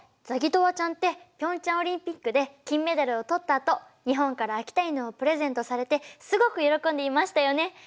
ザギトワちゃんってピョンチャンオリンピックで金メダルを取ったあと日本から秋田犬をプレゼントされてすごく喜んでいましたよね！